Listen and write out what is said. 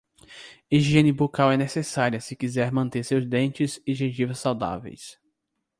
Higiene bucal é necessária se quiser manter seus dentes e gengiva saudáveis